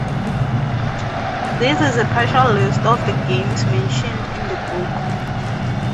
This is a partial list of the games mentioned in the book.